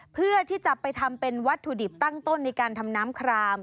เพื่อที่จะไปทำเป็นวัตถุดิบตั้งต้นในการทำน้ำคราม